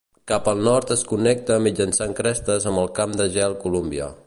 Cap al nord es connecta mitjançant crestes amb el Camp de gel Columbia.